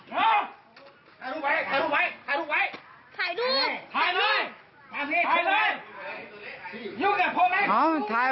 เฮียเขาออกไปสิ